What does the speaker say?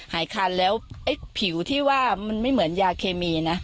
คันแล้วไอ้ผิวที่ว่ามันไม่เหมือนยาเคมีนะ